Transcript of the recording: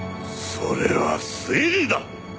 それは推理だ！